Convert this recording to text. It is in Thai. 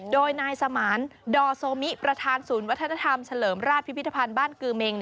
โดยนายสมานดอโซมิประธานศูนย์วัฒนธรรมเฉลิมราชพิพิธภัณฑ์บ้านกือเมง